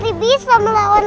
pasti bisa melawan mereka